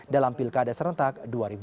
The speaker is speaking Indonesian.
dalam pilkada serentak dua ribu delapan belas